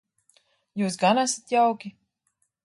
Jūs gan esat jauki.